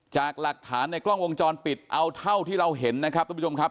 จากหลักฐานในกล้องวงจรปิดเอาเท่าที่เราเห็นนะครับทุกผู้ชมครับ